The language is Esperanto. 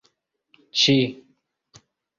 ĉi